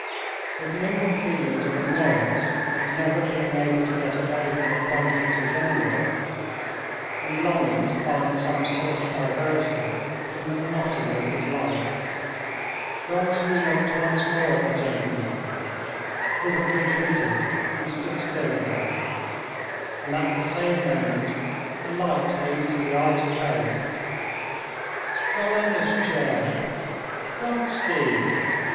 With mingled feelings of annoyance at never being able to get away from acquaintances anywhere, and longing to find some sort of diversion from the monotony of his life, Vronsky looked once more at the gentleman, who had retreated and stood still again, and at the same moment a light came into the eyes of both. "Golenishtchev!" "Vronsky!"